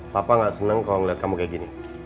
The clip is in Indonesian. papa gak seneng kalau ngeliat kamu kayak gini